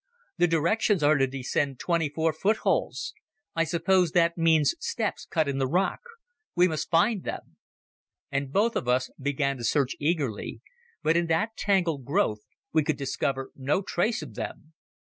"The directions are to descend twenty four foot holes. I suppose that means steps cut in the rock. We must find them." And both of us began to search eagerly, but in that tangled growth we could discover no trace of them.